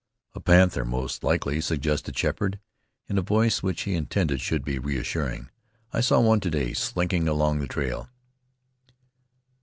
"A panther, most likely," suggested Sheppard, in a voice which he intended should be reassuring. "I saw one to day slinking along the trail."